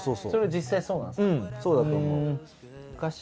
それは実際そうなんですか？